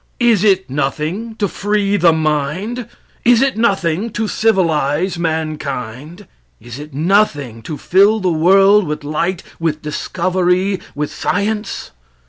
Is it nothing to free the mind? Is it nothing to civilize mankind? Is it nothing to fill the world with light, with discovery, with science?